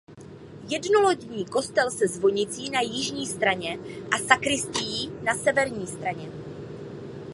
Jednolodní kostel se zvonicí na jižní straně a sakristií na severní straně.